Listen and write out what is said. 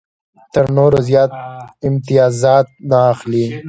تر نورو زیات امتیازات نه اخلي.